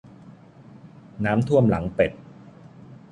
น้ำท่วมหลังเป็ด